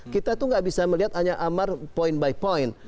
kita tuh gak bisa melihat hanya amar point by point